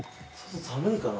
寒いかな？